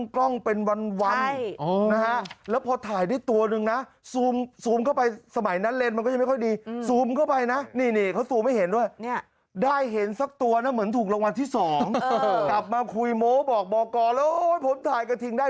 กลับมาคุยโม้บอกบอกก่อนแล้วผมถ่ายกระทิงได้